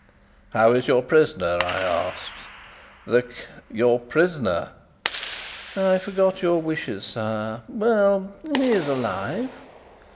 "How is your prisoner?" I asked. "The K ?" "Your prisoner." "I forgot your wishes, sire. Well, he is alive."